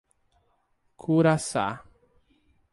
Curaçá